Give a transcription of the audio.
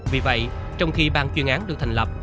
vì vậy trong khi ban chuyên án được thành lập